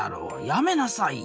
やめなさいよ。